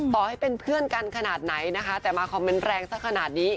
ต่อให้เป็นเพื่อนกันขนาดไหนนะคะแต่มาคอมเมนต์แรงสักขนาดนี้